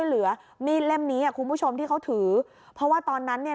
แล้วทีนี้เขาก็เปิดตาแก๊สฟู้เพราะแม่เขากลัวแก๊สจะระเบิด